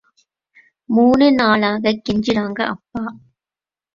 மூணு நாளாகக் கெஞ்சுறாங்க அப்பா.